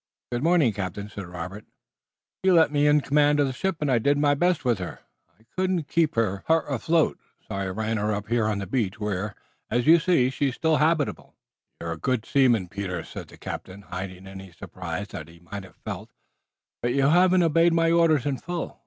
"Good morning, captain," said Robert, equably. "You left me in command of the ship and I did my best with her. I couldn't keep her afloat, and so I ran her up here on the beach, where, as you see, she is still habitable." "You're a good seaman, Peter," said the captain, hiding any surprise that he may have felt, "but you haven't obeyed my orders in full.